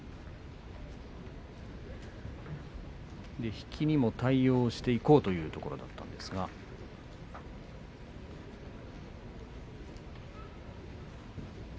引きにも対応していこうというところでした北勝富士。